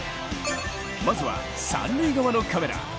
まずは三塁側のカメラ。